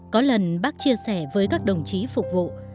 có lần bác chia sẻ với các đồng chí phục vụ